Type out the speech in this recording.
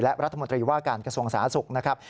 และรัฐมนตรีว่าการกระทรวงสาธารณสุขนะครับ